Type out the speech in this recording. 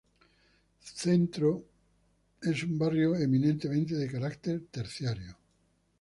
Centro es un barrio eminentemente de carácter terciario.